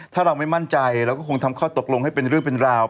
ถ้าเราไม่มั่นใจเราก็คงทำข้อตกลงให้เป็นเรื่องเป็นราว